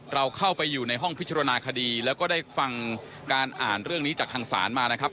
เราเข้าไปอยู่ในห้องพิจารณาคดีแล้วก็ได้ฟังการอ่านเรื่องนี้จากทางศาลมานะครับ